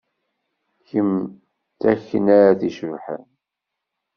Kemm d taknart icebḥen.